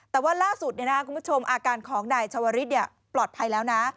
แต่ว่าล่าสุดในหน้าคุณผู้ชมอาการของนายชวริตเนี่ยปลอดภัยแล้วนะ